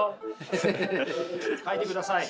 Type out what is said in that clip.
書いてください。